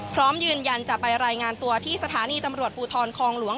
พร้อมยืนยันจะไปรายงานตัวที่สถานีตำรวจภูทรคองหลวง